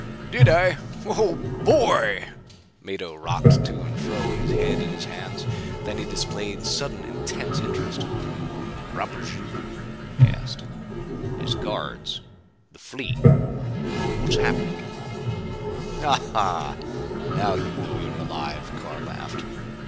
"Did I? Oh boy!" Mado rocked to and fro, his head in his hands. Then he displayed sudden intense interest. "Rapaju?" he asked. "His guards the fleet what's happened?" "Ah ha! Now you know you're alive!" Carr laughed.